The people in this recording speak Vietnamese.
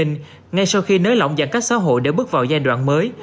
ngay sau khi nới lỏng giãn cách xã hội để bước vào giai đoạn mới